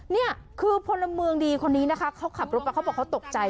นี่คือพลเมืองดีคนนี้นะคะเขาขับรถไปเขาบอกเขาตกใจ